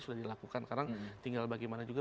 sudah dilakukan sekarang tinggal bagaimana juga